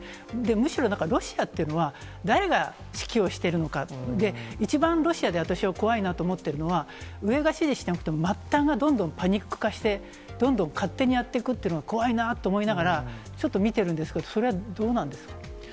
むしろなんか、ロシアっていうのは、誰が指揮をしているのか、一番ロシアで私が怖いなと思ってるのは、上が指示しなくても末端がどんどんパニック化して、どんどん勝手にやっていくっていうのが怖いなと思いながら、ちょっと見てるんですけど、それはどうなんですか。